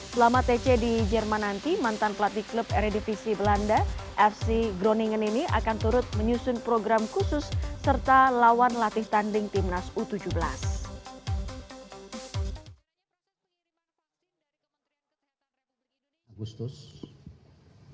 selama tc di jerman nanti mantan pelatih klub redpc belanda fc groningen ini akan turut menyusun program khusus serta lawan latih tanding timnas u tujuh belas